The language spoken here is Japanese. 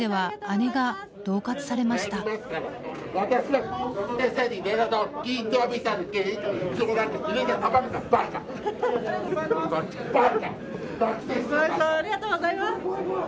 ありがとうございます。